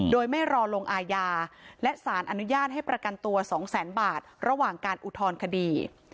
โดยไม่รอลงอาญาและสารอนุญาตให้ประกันตัว๒แสนบาทระหว่างการอุทธรณคดี